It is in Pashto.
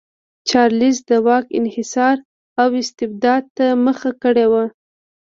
چارلېز د واک انحصار او استبداد ته مخه کړې وه.